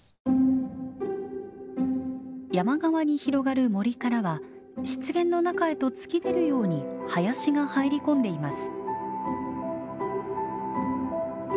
山側に広がる森からは湿原の中へと突き出るように林が入り込んでいます。